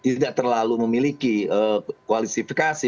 tidak terlalu memiliki kualifikasi